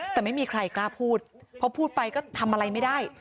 แต่ไม่มีใครกล้าพูดเพราะพูดไปก็ทำอะไรไม่ได้